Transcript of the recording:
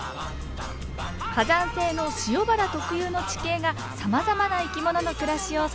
火山性の塩原特有の地形がさまざまな生き物の暮らしを支えています。